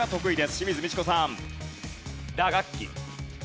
清水ミチコさん。